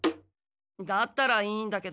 だったらいいんだけど。